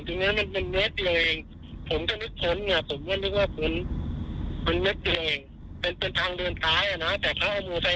แต่ผมก็เลยรู้สึกว่าวันรุ่นผมไปดูตอนไหนว่าจะเป็นไร